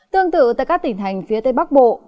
tương tự tại các tỉnh thành phía tây bắc bộ